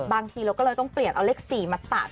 บางทีเราก็เลยต้องเปลี่ยนเอาเลข๔มาตัด